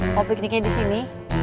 mau pikniknya di sini